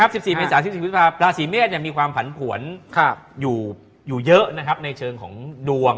ลาศีเมษลาศีเมษมีความผันผวนอยู่เยอะในเชิงของดวง